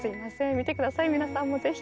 見て下さい皆さんもぜひ。